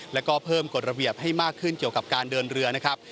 แล้วก็เพิ่มกฎระเบียบให้มากขึ้นเกี่ยวกับการเดินเรือนะครับ